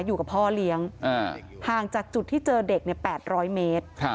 อยู่กับพ่อเลี้ยงห่างจากจุดที่เจอเด็ก๘๐๐เมตร